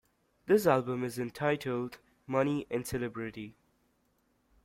This album is entitled "Money and Celebrity".